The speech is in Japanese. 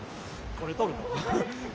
これ撮るの？